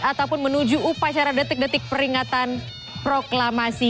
ataupun menuju upaya secara detik detik peringatan proklamasi